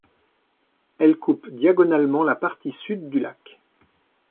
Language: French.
Elle coupe diagonalement la partie sud du lac.